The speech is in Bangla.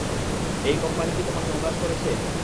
এই কোম্পানি কি তোমাকে হতাশ করেছে?